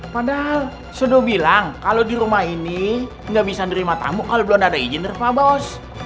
padahal sudah bilang kalau di rumah ini nggak bisa nerima tamu kalau belum ada izin dari pak bos